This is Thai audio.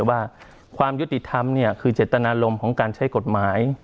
ว่าความยุติธรรมคือเจตนารมณ์ของการใช้กฎหมาย